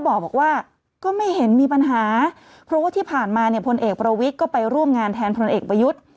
เพราะว่าที่ผ่านมาเนี่ยพลเอกประวิทย์ก็ไปร่วมงานแทนพลเอกประยุทธ์